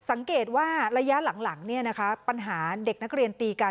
สังเกตว่าระยะหลังปัญหาเด็กนักเรียนตีกัน